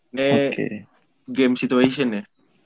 ini game situation ya